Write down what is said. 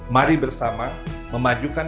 mari bersama memajukan